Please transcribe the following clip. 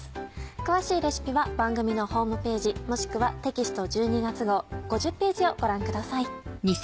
詳しいレシピは番組のホームページもしくはテキスト１２月号５０ページをご覧ください。